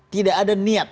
tidak ada niat